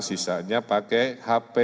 sisanya pakai hp